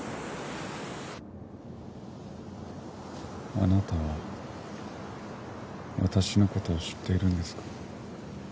あなたは私の事を知っているんですか？